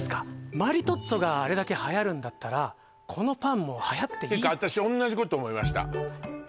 マリトッツォがあれだけはやるんだったらこのパンもはやっていいてか私同じこと思いました